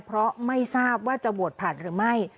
เพราะไม่ทราบว่าจะบวชผ่านหรือไม่